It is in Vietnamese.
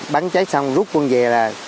bắn chết xong rút quân về là